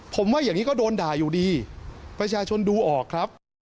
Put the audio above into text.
ผมว่าอย่างนี้ก็โดนด่าอยู่ดีประชาชนดูออกครับ